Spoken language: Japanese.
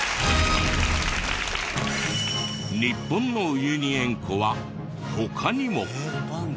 日本のウユニ塩湖は他にも。